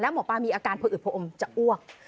แล้วหมอปลามีอาการผลอึดผลอมจะอ้วก